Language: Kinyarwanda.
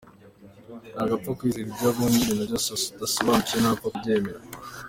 Ntabwo apfa kwizera ibyo abonye, ibintu byose adasobanukiwe ntapfa kubyemera.